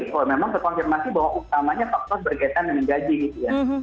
kalau memang terkonfirmasi bahwa utamanya faktor berkaitan dengan gaji gitu ya